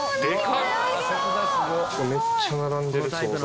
めっちゃ並んでる惣菜も。